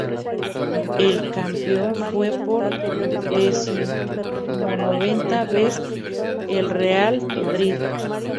El campeón fue por decimonovena vez el Real Madrid.